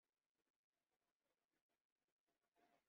Ad ak-ɛejbeɣ.